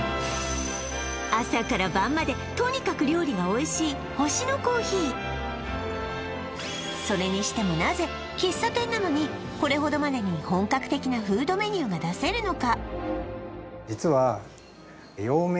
朝から晩までとにかくそれにしてもなぜ喫茶店なのにこれほどまでに本格的なフードメニューが出せるのか？